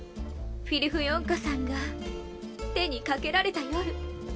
フィリフヨンカさんが手にかけられた夜。